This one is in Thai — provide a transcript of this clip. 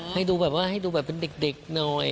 ให้ดูแบบว่าให้ดูแบบเป็นเด็กหน่อย